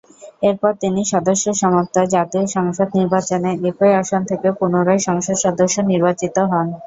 এরপর তিনি সদস্য সমাপ্ত জাতীয় সংসদ নির্বাচনে একই আসন থেকে পুনরায় সংসদ সদস্য নির্বাচিত হন।